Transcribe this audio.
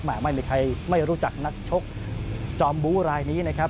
ไม่มีใครไม่รู้จักนักชกจอมบูรายนี้นะครับ